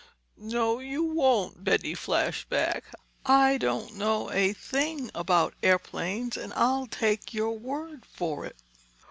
"No, you won't," Betty flashed back. "I don't know a thing about airplanes, and I'll take your word for it.